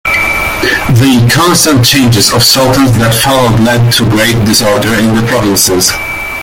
The constant changes of sultans that followed led to great disorder in the provinces.